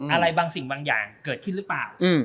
อะไรบางสิ่งบางอย่างเกิดขึ้นหรือเปล่า